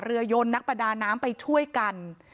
ยนนักประดาน้ำไปช่วยกัน